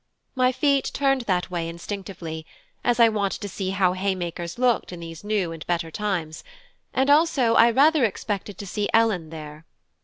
My feet turned that way instinctively, as I wanted to see how haymakers looked in these new and better times, and also I rather expected to see Ellen there.